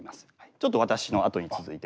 ちょっと私のあとに続いて。